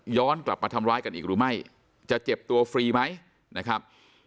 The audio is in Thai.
ห้อยย้อนกลับมาทำร้ายกันอีกรู้ไหมจะเจ็บตัวฟรีไหมนะครับ